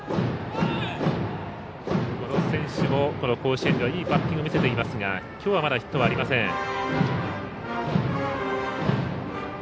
この選手も甲子園ではいいバッティングを見せていますがきょうは、まだヒットありません。